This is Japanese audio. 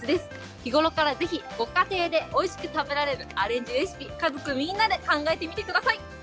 日頃からぜひ、ご家庭でおいしく食べられるアレンジレシピ、家族みんなで考えてみてください。